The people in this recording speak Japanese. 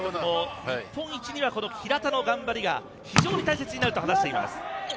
日本一には平田の頑張りが非常に大切になると話しています。